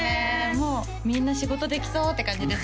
もうみんな仕事できそうって感じですもん